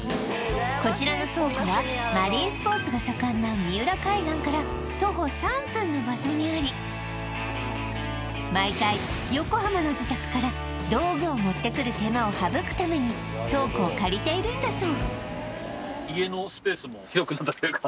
こちらの倉庫はマリンスポーツが盛んな三浦海岸から徒歩３分の場所にあり毎回横浜の自宅から道具を持ってくる手間を省くために倉庫を借りているんだそう「